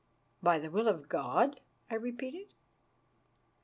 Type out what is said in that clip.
"By the will of God?" I repeated.